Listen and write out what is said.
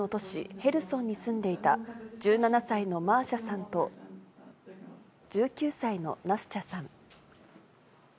ヘルソンに住んでいた、１７歳のマーシャさんと１９歳のナスチャさん。